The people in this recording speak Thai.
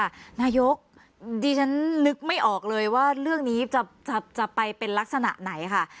นายกดิฉันนึกไม่ออกเลยว่าเรื่องนี้จะไปเป็นลักษณะไหนค่ะ